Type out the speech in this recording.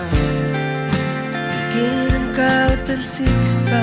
mungkin kau tersiksa